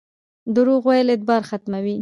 دروغ ویل اعتبار ختموي